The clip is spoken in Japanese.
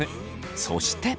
そして。